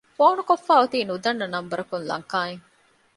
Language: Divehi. ފޯނުކޮށްފައި އޮތީ ނުދަންނަ ނަންބަރަކުން ލަންކާއިން